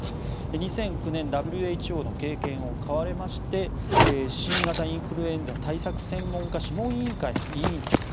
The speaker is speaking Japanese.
２００９年ＷＨＯの経験を買われまして新型インフルエンザ対策専門家諮問委員会の委員長に。